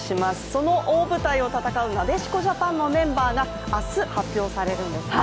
その大舞台を戦うなでしこジャパンのメンバーが明日発表されるんですよね。